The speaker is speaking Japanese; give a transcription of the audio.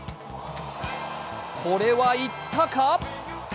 これはいったか？